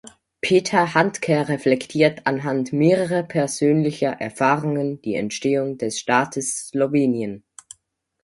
Peter Handke reflektiert anhand mehrere persönlicher Erfahrungen die Entstehung des Staates Slowenien.